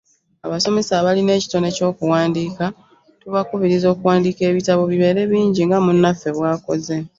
Abasomesa abalina ekitone ekyokuwandiika tubakubiriza okuwandiika ebitabo bibeere bingi nga munnaffe bw’akoze.